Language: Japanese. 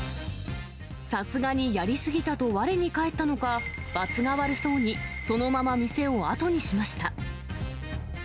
さすがにやり過ぎたとわれに返ったのか、ばつが悪そうに、そのまま店を後にしました。